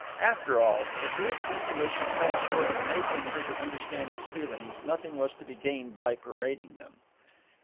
After all, if Ruth's intuition fell short of enabling her to understand his feelings, nothing was to be gained by parading them.